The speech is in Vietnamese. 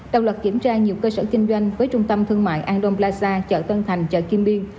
đồng loạt kiểm tra nhiều cơ sở kinh doanh với trung tâm thương mại androm plaza chợ tân thành chợ kim biên